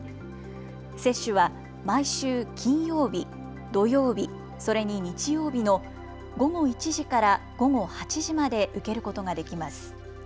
接種は毎週金曜日、土曜日、それに日曜日の午後１時から午後８時まで受けることができます。